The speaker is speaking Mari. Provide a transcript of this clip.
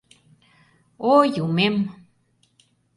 О, юмем!